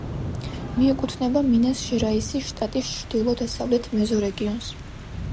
მიეკუთვნება მინას-ჟერაისის შტატის ჩრდილო-დასავლეთ მეზორეგიონს.